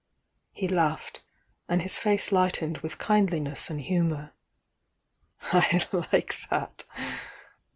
He laughed, and his face lightened with kindli ness and humour. "I like that!"